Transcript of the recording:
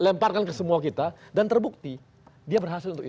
lemparkan ke semua kita dan terbukti dia berhasil untuk itu